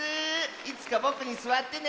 いつかぼくにすわってね。